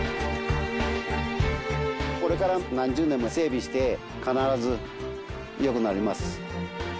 これから何十年も整備して必ず良くなります。